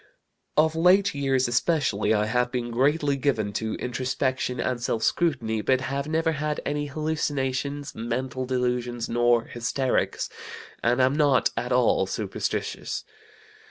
Of late years especially I have been greatly given to introspection and self scrutiny, but have never had any hallucinations, mental delusions, nor hysterics, and am not at all superstitious.